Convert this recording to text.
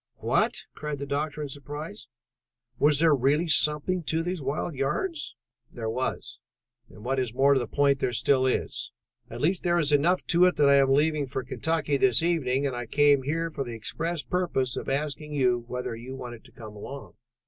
"What?" cried the doctor in surprise. "Was there really something to those wild yarns?" "There was, and what is more to the point, there still is. At least there is enough to it that I am leaving for Kentucky this evening, and I came here for the express purpose of asking you whether you wanted to come along.